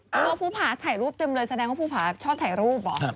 เพราะว่าภูผาถ่ายรูปเต็มเลยแสดงว่าภูผาชอบถ่ายรูปเหรอ